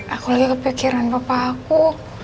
aku lagi kepikiran bapak aku